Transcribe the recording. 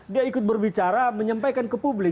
dia ikut berbicara menyampaikan ke publik